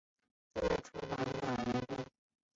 坐在厨房的门边